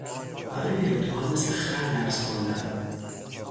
برای امتحان مثل خر درس خواندن